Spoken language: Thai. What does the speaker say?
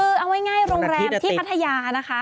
คือเอาให้ง่ายโรงไลน์ที่ปัฒนายะนะคะ